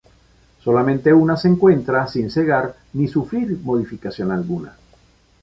Solamente una se encuentra sin cegar ni sufrir modificación alguna.